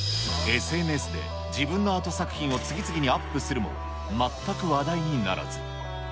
ＳＮＳで自分のアート作品を次々にアップするも、全く話題にならず。